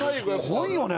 すごいよね。